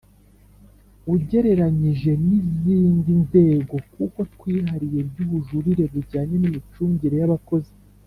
Ugereranyije N Izindi Nzego Kuko Twihariye By Ubujurire Bujyanye N Imicungire Y Abakozi